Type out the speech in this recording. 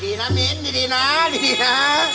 ดีนะมิ้นดีนะดีนะ